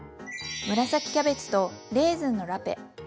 紫キャベツとレーズンのラペ。